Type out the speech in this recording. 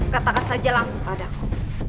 katakan saja langsung padaku